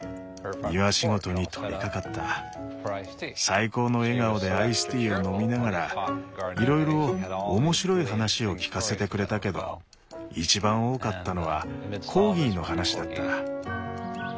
最高の笑顔でアイスティーを飲みながらいろいろ面白い話を聞かせてくれたけどいちばん多かったのはコーギーの話だった。